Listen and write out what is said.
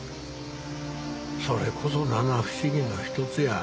それこそ七不思議の一つや。